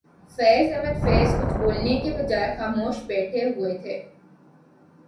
فیض احمد فیض کچھ بولنے کی بجائے خاموش بیٹھے ہوئے تھے